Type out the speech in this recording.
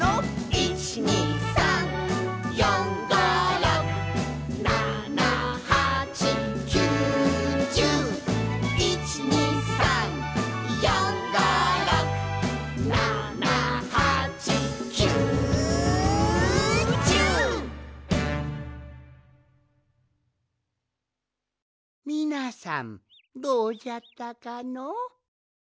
「１２３４５６７８９１０」「１２３４５６７８９１０」みなさんどうじゃったかの？